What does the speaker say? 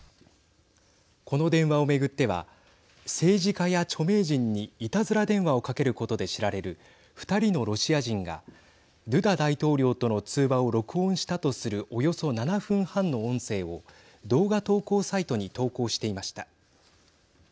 この電話を巡っては政治家や著名人にいたずら電話をかけることで知られる、２人のロシア人がドゥダ大統領との通話を録音したとするおよそ７分半の音声を動画投稿サイトに投稿していました。